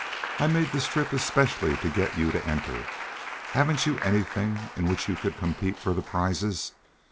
I made this trip especially to get you to enter. Haven't you anything in which you could compete for the prizes?